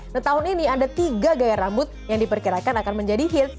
nah tahun ini ada tiga gaya rambut yang diperkirakan akan menjadi hit